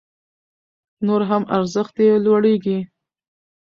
نور هم ارزښت يې لوړيږي